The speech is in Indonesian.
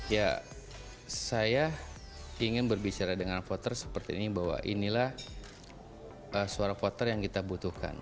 ya saya ingin berbicara dengan voter seperti ini bahwa inilah suara voter yang kita butuhkan